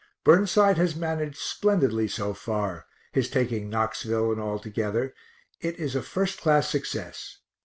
Burnside has managed splendidly so far, his taking Knoxville and all together it is a first class success.